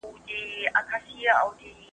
هغه سړی په خپلو کارونو کي ډېر ځیرک او هوښیار و.